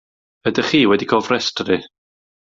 Ydych chi wedi cofrestru?